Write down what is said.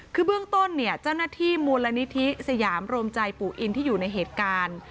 คือเบื้องต้นเนี่ยเจ้าหน้าที่มูลนิธิสยามรวมใจปู่อินที่อยู่ในเหตุการณ์